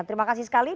terima kasih sekali